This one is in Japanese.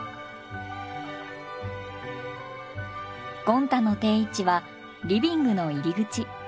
ゴン太の定位置はリビングの入り口。